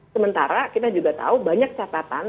sementara kita juga tahu banyak catatan